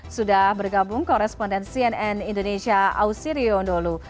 sudah bergabung koresponden cnn indonesia ausi riondolu